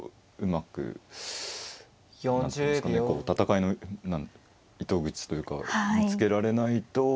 戦いの糸口というか見つけられないと。